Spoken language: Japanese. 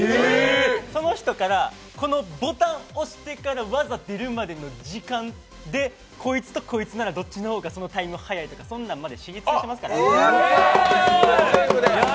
その人から、このボタン押してから技出るまでの時間で、こいつとこいつならどっちの方がタイム速いとか、そういうの知り尽くしてますからね。